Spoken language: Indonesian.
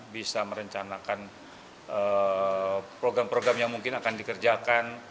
bisa merencanakan program program yang mungkin akan dikerjakan